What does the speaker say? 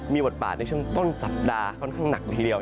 มีวดผ่านในช่วงต้นสัปดาห์ค่อนข้างหนักอย่างเทียว